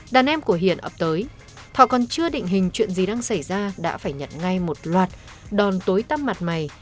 đàn em của hiển ập tới thọ còn chưa định hình chuyện gì đang xảy ra đã phải nhận ngay một loạt đòn tối tăm mặt mày